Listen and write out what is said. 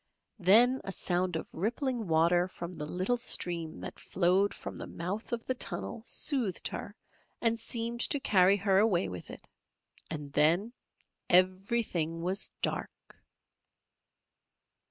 Then a sound of rippling water from the little stream that flowed from the mouth of the tunnel soothed her and seemed to carry her away with it, and then everything was dark.